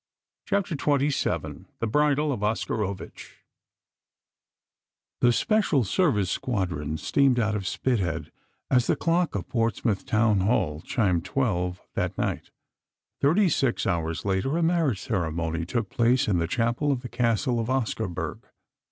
CHAPTER XXVII THE BRIDAL OF OSCAROVITCH The Special Service Squadron steamed out of Spithead as the clock of Portsmouth Town Hall chimed twelve that night. Thirty six hours later a marriage ceremony took place in the chapel of the Castle of Oscarburg.